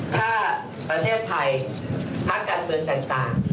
ถ้าประเทศไทยพักการเมืองต่าง